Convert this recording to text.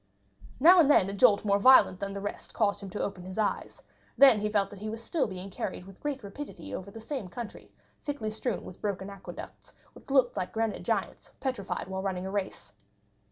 Now and then a jolt more violent than the rest caused him to open his eyes; then he felt that he was still being carried with great rapidity over the same country, thickly strewn with broken aqueducts, which looked like granite giants petrified while running a race.